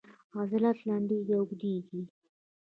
عضلات لنډیږي او اوږدیږي